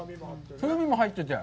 風味も入ってて。